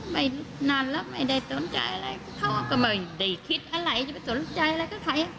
ไม่นานแล้วไม่ได้สนใจอะไรเขาก็ไม่ได้คิดอะไรจะไปสนใจอะไรกับใคร